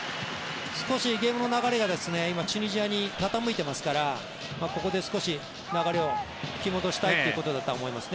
少しゲームの流れが今、チュニジアに傾いてますからここで少し流れを引き戻したいということだと思います。